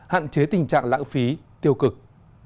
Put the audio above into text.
hạn chế tình trạng lãng phí tiêu cực